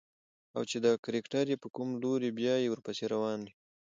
او چې دا کرکټر يې په کوم لوري بيايي ورپسې روانه وي.